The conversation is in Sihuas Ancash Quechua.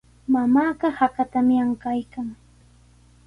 Mamaaqa hakatami ankaykan.